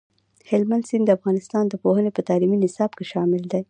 هلمند سیند د افغانستان د پوهنې په تعلیمي نصاب کې شامل دی.